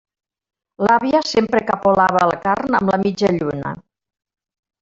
L'àvia sempre capolava la carn amb la mitjalluna.